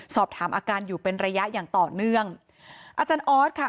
สอบถามอาการอยู่เป็นระยะอย่างต่อเนื่องอาจารย์ออสค่ะ